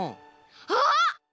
あっ！